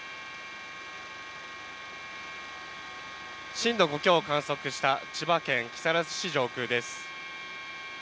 震度５強を観測した千葉県木更津市上空です。